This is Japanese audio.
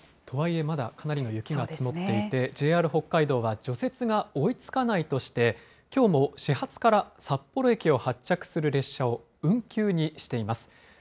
とはいえ、まだかなりの雪が積もっていて、ＪＲ北海道は除雪が追いつかないとして、きょうも始発から札幌駅を発着する列車を運休にしています。